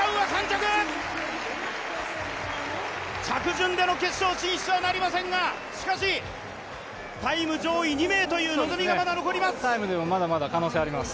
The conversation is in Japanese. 着順での決勝進出はなりませんがしかし、タイム上位２名という望みがまだ残ります。